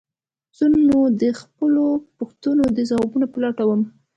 زه نو د خپلو پوښتنو د ځواب په لټه وم.